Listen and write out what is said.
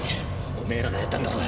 おめえらがやったんだろうが！